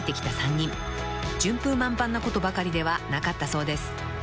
［順風満帆なことばかりではなかったそうです］